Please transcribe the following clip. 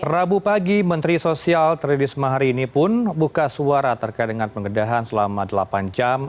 rabu pagi menteri sosial tridis mahari ini pun buka suara terkait dengan penggeledahan selama delapan jam